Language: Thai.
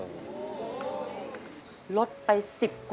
คุณหมอบอกว่าเอาไปพักฟื้นที่บ้านได้แล้ว